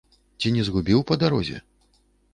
Ці не згубіў па дарозе?